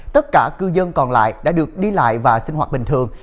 tất cả cư dân còn lại đã được đi lại và sinh hoạt bình thường